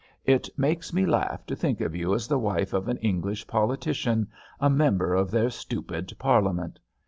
It makes me laugh to think of you as the wife of an English politician, a member of their stupid Parliament!